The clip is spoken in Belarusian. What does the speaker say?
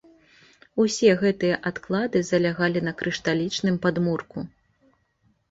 Усе гэтыя адклады залягалі на крышталічным падмурку.